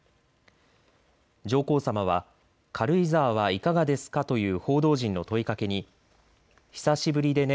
上皇さまは軽井沢はいかがですかという報道陣の問いかけに久しぶりでね。